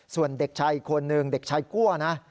ส่วนเด็กชัยคนหนึ่งเด็กชัยกลัวนะ